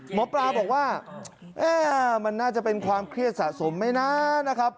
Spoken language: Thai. หมอปลาบอกว่ามันน่าจะเป็นความเครียดสะสมไหมนะนะครับ